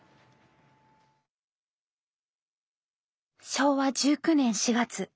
昭和１９年４月。